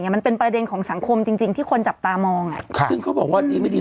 มันเป็นประเด็นของสังคมจริงที่คนจับตามองไง